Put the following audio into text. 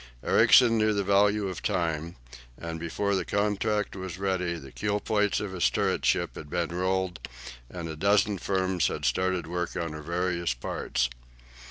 Ericsson knew the value of time, and before the contract was ready the keel plates of his turret ship had been rolled and a dozen firms had started work on her various parts.